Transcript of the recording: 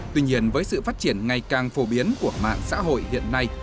tuy nhiên với sự phát triển ngày càng phổ biến của mạng xã hội hiện nay